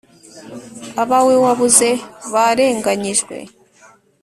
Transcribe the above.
Abawe wabuze barenganyijwe